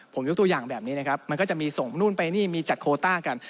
ผมยกตัวอย่างแบบนี้นะครับมันก็จะมีส่งนู่นไปนี่มีจัดโคต้ากัน